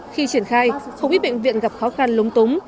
khi triển khai không ít bệnh viện gặp khó khăn lúng túng